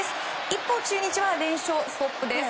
一方、中日は連勝ストップです。